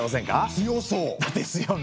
強そう！ですよね！